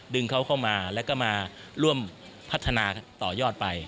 ดึงเขาเข้ามาแล้วก็มาร่วมพัฒนาต่อยอดไป